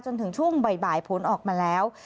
จนถึงช่วงบ่ายผลออกมาแล้ว